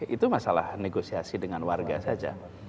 itu masalah negosiasi dengan warga saja